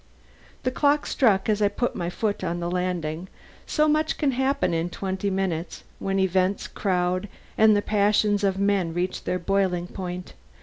The clock struck as I put foot on the landing; so much can happen in twenty minutes when events crowd and the passions of men reach their boiling point!